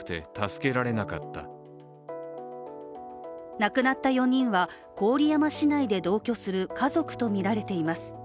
亡くなった４人は郡山市内で同居する家族とみられています。